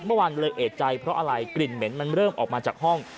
เมื่อวานเลยเอกใจเพราะอะไรกลิ่นเหม็นมันเริ่มออกมาจากห้อง